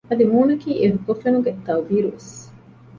އަދި މޫނަކީ އެ ހުވަފެނުގެ ތައުބީރު ވެސް